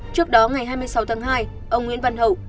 trước đó ngày hai mươi sáu tháng hai ông nguyễn văn hậu